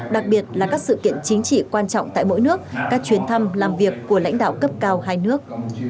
đặc biệt là các sự kiện chính trị quan trọng tại mỗi nước các chuyến thăm làm việc của lãnh đạo cấp cao hai nước